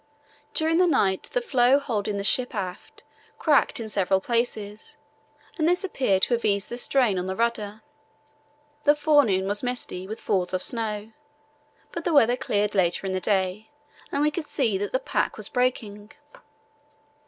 During the night the floe holding the ship aft cracked in several places, and this appeared to have eased the strain on the rudder. The forenoon was misty, with falls of snow, but the weather cleared later in the day and we could see that the pack was breaking.